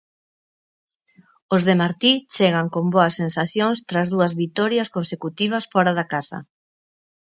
Os de Martí chegan con boas sensacións tras dúas vitorias consecutivas fóra da casa.